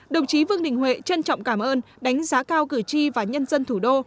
đồng chí vương đình huệ trân trọng cảm ơn đánh giá cao cử tri và nhân dân thủ đô